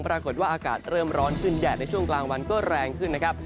ปรากฏว่าอากาศเริ่มร้อนขึ้นแดดในช่วงกลางวันก็แรงขึ้นนะครับ